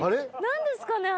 何ですかね？